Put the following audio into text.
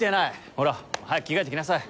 ほら早く着替えてきなさい。